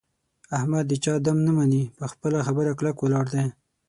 احمد د چا دم نه مني. په خپله خبره کلک ولاړ دی.